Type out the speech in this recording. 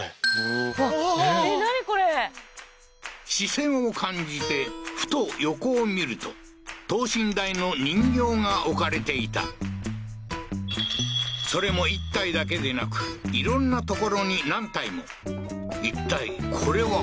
これ視線を感じてふと横を見ると等身大の人形が置かれていたそれも１体だけでなく色んな所に何体もいったいこれは？